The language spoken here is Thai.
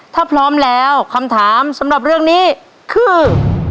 ถ้าพร้อมแล้วคำถามสำหรับเรื่องนี้คือ